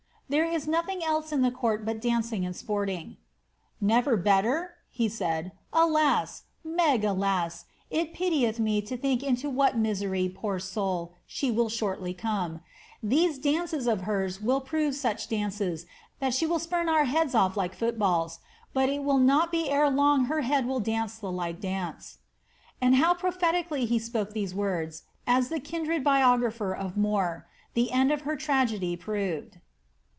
There is nothing else in the court but dancing and sporting." '^ Never better !" said he ;^ alas ! Meg, alas ! it pitieth me to think into what misery, poor soul, she will shortly come. These dances of hers will prove such dances, that she will spurn our heads ott like foot balls, but it will not be long ere her head will dance the like dance." ^ And how prophetically he spoke these words," adds the kirn dred biographer of More, ^ the end of her tragedy proved."